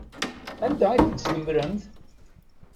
Anda ay ten-tdemmremt?